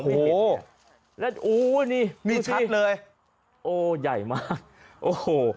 โอ้โหแล้วอู้นี่นี่ชัดเลยโอ้ใหญ่มากโอ้โห